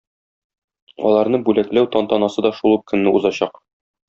Аларны бүләкләү тантанасы да шул ук көнне узачак.